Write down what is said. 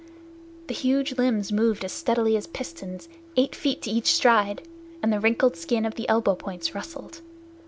The huge limbs moved as steadily as pistons, eight feet to each stride, and the wrinkled skin of the elbow points rustled.